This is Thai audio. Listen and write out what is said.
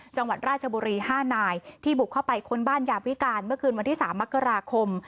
จังหวัดราชบุรี๕นายที่บุกเข้าไปค้นบ้านยามวิการเมื่อคืนวันที่๓มกราคม